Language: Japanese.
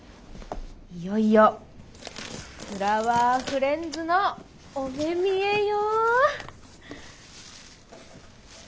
いよいよフラワーフレンズのお目見えよ。